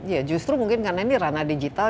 ya justru mungkin karena ini ranah digital